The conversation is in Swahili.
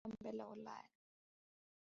timu ya pep guardiola ikashinda kombe la ulaya